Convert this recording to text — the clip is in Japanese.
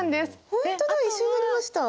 ほんとだ一緒になりました。